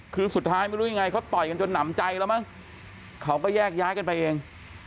คือสุดท้ายไม่รู้ยังไงเขาต่อยกันจนหนำใจแล้วมั้งเขาก็แยกย้ายกันไปเอง